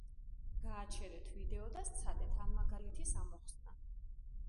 გააჩერეთ ვიდეო და სცადეთ ამ მაგალითის ამოხსნა.